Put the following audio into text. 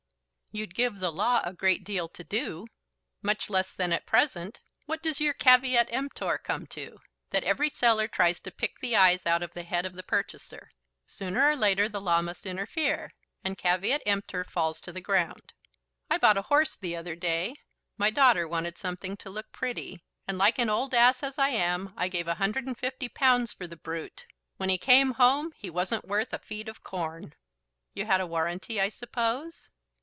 "You'd give the law a great deal to do." "Much less than at present. What does your Caveat emptor come to? That every seller tries to pick the eyes out of the head of the purchaser. Sooner or later the law must interfere, and Caveat emptor falls to the ground. I bought a horse the other day; my daughter wanted something to look pretty, and like an old ass as I am I gave a hundred and fifty pounds for the brute. When he came home he wasn't worth a feed of corn." "You had a warranty, I suppose?"